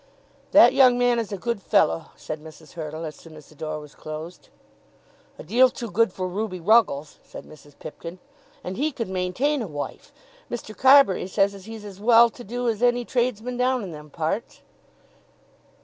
"That young man is a good fellow," said Mrs. Hurtle as soon as the door was closed. "A deal too good for Ruby Ruggles," said Mrs. Pipkin. "And he can maintain a wife. Mr. Carbury says as he's as well to do as any tradesman down in them parts."